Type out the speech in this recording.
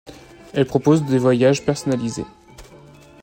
Elle propose des voyages personnalisés.